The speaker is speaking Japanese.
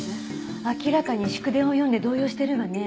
明らかに祝電を読んで動揺してるわね。